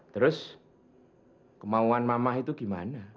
terus kemauan mamah itu gimana